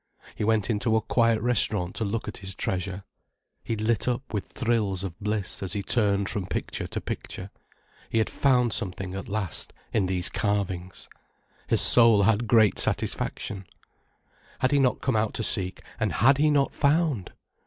He went into a quiet restaurant to look at his treasure. He lit up with thrills of bliss as he turned from picture to picture. He had found something at last, in these carvings. His soul had great satisfaction. Had he not come out to seek, and had he not found!